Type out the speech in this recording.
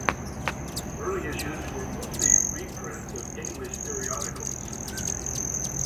Early issues were mostly reprints of English periodicals.